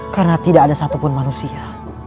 karena tidak ada satupun manusia